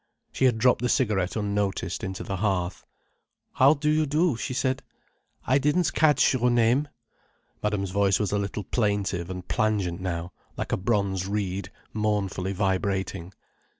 She had dropped the cigarette unnoticed into the hearth. "How do you do," she said. "I didn't catch your name." Madame's voice was a little plaintive and plangent now, like a bronze reed mournfully vibrating.